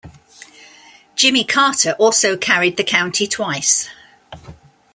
Jimmy Carter also carried the county twice.